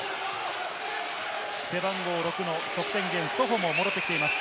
背番号６の得点源ソホも戻ってきています。